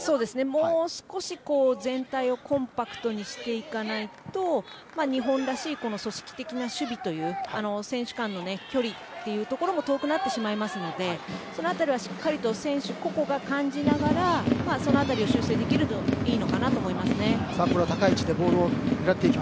もう少し、全体をコンパクトにしていかないと日本らしい組織的な守備という選手間の距離というところも遠くなってしまいますのでその辺りはしっかりと選手個々が感じながらその辺りを修正できるといいのかなと思います。